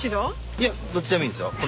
いやどっちでもいいんですよ。